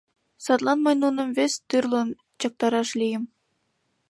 Садлан мый нуным вес тӱрлын чактараш лийым.